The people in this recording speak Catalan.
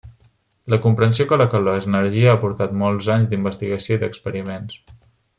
La comprensió que la calor és energia ha portat molts anys d'investigació i d'experiments.